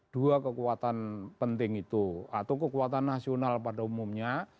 dua kekuatan penting itu atau kekuatan nasional pada umumnya